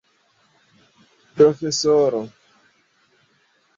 La Profesoro havas grandan mensan potencon.